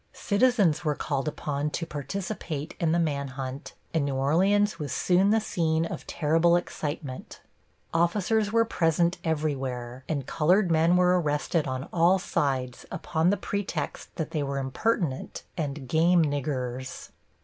Citizens were called upon to participate in the man hunt and New Orleans was soon the scene of terrible excitement. Officers were present everywhere, and colored men were arrested on all sides upon the pretext that they were impertinent and "game niggers."